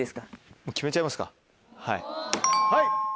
もう決めちゃいますか。